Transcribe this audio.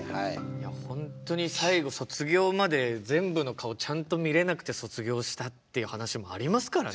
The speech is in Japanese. いや本当に最後卒業まで全部の顔ちゃんと見れなくて卒業したっていう話もありますからね。